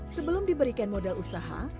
sebelum diberikan modal usaha